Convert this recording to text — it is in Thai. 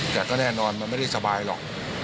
แต่ก็แน่นอนมันไม่ได้สบายหรอก